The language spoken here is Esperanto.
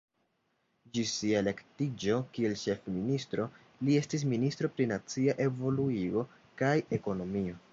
Ĝis sia elektiĝo kiel ĉefministro li estis ministro pri nacia evoluigo kaj ekonomio.